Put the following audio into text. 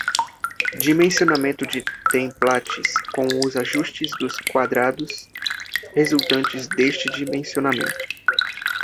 Dimensionamento de templates, com os ajustes dos quadrados resultantes deste dimensionamento.